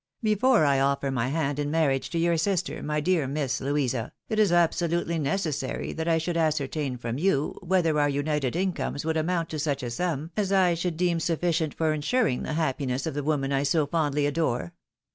Before I offer my hand in marriage to your sister, my dear Miss Louisa, it is absolutely necessary that I should ascertain from you whether our united incomes would amount to such a sum as I should deem sufiicient for insuring the happiness of the woman I so fondly adore.